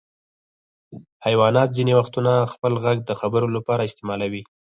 حیوانات ځینې وختونه خپل غږ د خبرو لپاره استعمالوي.